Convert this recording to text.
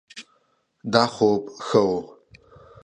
دا خوب ښه ؤ